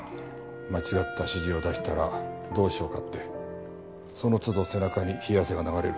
間違った指示を出したらどうしようかってその都度背中に冷や汗が流れる。